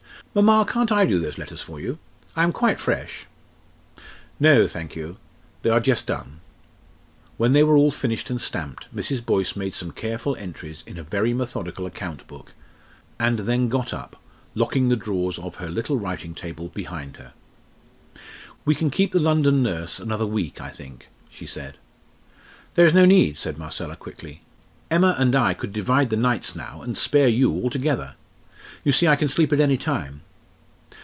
"Mamma, can't I do those letters for you? I am quite fresh." "No, thank you. They are just done." When they were all finished and stamped, Mrs. Boyce made some careful entries in a very methodical account book, and then got up, locking the drawers of her little writing table behind her. "We can keep the London nurse another week I think," she said. "There is no need," said Marcella, quickly. "Emma and I could divide the nights now and spare you altogether. You see I can sleep at any time."